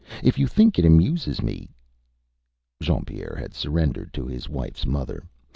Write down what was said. If you think it amuses me .. .Â Jean Pierre had surrendered to his wifeÂs mother.